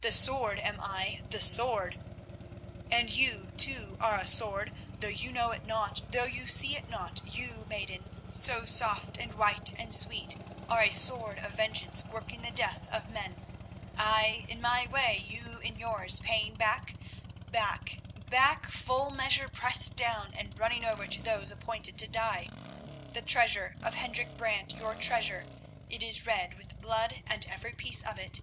The Sword am I, the Sword! And you too are a sword, though you know it not, though you see it not, you, maiden, so soft and white and sweet, are a Sword of Vengeance working the death of men; I, in my way, you in yours, paying back, back, back, full measure pressed down and running over to those appointed to die. The treasure of Hendrik Brant, your treasure, it is red with blood, every piece of it.